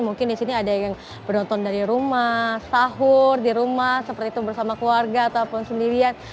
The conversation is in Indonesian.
mungkin di sini ada yang menonton dari rumah sahur di rumah seperti itu bersama keluarga ataupun sendirian